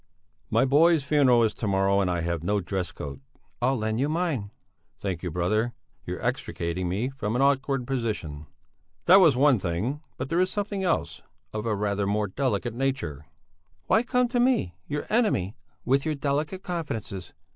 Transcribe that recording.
"My boy's funeral is to morrow, and I have no dress coat...." "I'll lend you mine." "Thank you, brother. You're extricating me from an awkward position. That was one thing, but there is something else, of a rather more delicate nature...." "Why come to me, your enemy, with your delicate confidences?